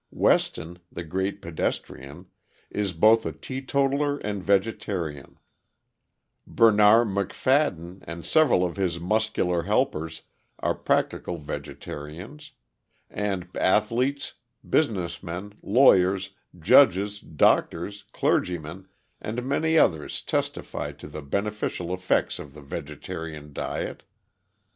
Weston, the great pedestrian, is both a teetotaler and vegetarian; Bernarr Macfadden and several of his muscular helpers are practical vegetarians; and athletes, business men, lawyers, judges, doctors, clergymen, and many others testify to the beneficial effects of the vegetarian diet.